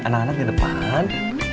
anak anak di depan